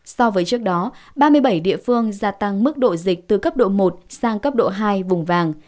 so với trước đó ba mươi bảy địa phương gia tăng mức độ dịch từ cấp độ một sang cấp độ hai vùng vàng